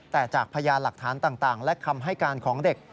แต่จากพยานหลักฐานต่างและคำให้การของเด็ก